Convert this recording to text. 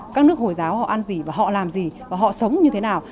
các nước hồi giáo họ ăn gì họ làm gì họ sống như thế nào